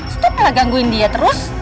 setelah gangguin dia terus